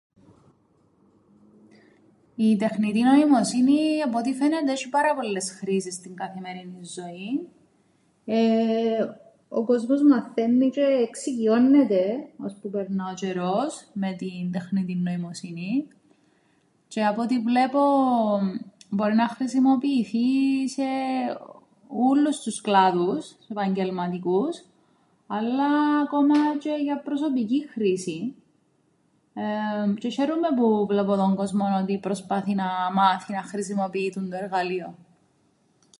Η τεχνητή νοημοσύνη απ' ό,τι φαίνεται έσ̆ει πάρα πολλές χρήσεις στην καθημερινήν ζωήν. Ο κόσμος μαθαίννει τžαι εξοικειώννεται ώσπου περνά ο τžαιρός με την τεχνητήν νοημοσύνην τžαι απ' ό,τι βλέπω μπορεί να χρησιμοποιηθεί σε ούλλους τους κλάδους τους επαγγελματικούς αλλά ακόμα τžαι για προσωπικήν χρήσην τžαι σ̆αίρουμαι που βλέπω τον κόσμον ότι προσπαθεί να μάθει να χρησιμοποιεί τούντο εργαλείον.